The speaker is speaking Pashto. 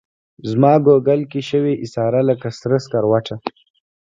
زماګوګل کي شوې ایساره لکه سره سکروټه